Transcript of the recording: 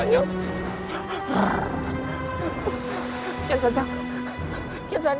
aku yang membunuhnya